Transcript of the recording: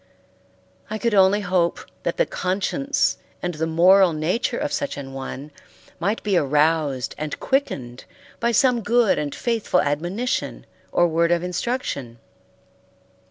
I could only hope that the conscience and the moral nature of such an one might be aroused and quickened by some good and faithful admonition or word of instruction.